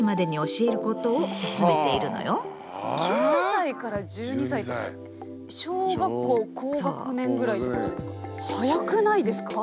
９歳から１２歳って小学校高学年ぐらいってことですか。